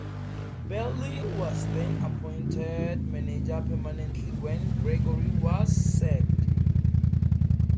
Burley was then appointed manager permanently when Gregory was sacked.